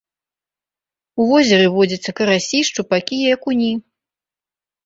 У возеры водзяцца карасі, шчупакі і акуні.